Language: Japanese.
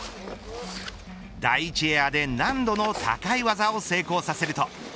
第１エアで難度の高い技を成功させると。